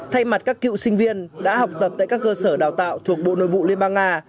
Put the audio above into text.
thay mặt các cựu sinh viên đã học tập tại các cơ sở đào tạo thuộc bộ nội vụ liên bang nga